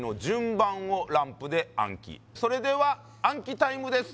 それでは暗記タイムです